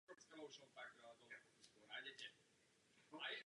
Daniel se radí s bratrem Robertem.